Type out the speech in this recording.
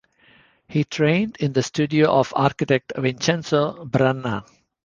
He trained in the studio of architect Vincenzo Brenna.